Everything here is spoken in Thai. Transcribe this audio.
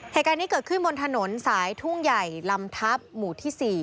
เหตุการณ์นี้เกิดขึ้นบนถนนสายทุ่งใหญ่ลำทับหมู่ที่๔